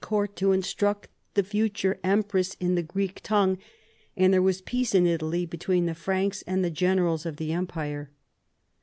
court to instruct the future empress in the Greek tongue, and there was peace in Italy between the Franks and the generals of the empire.